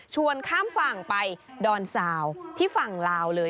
ข้ามฝั่งไปดอนซาวที่ฝั่งลาวเลย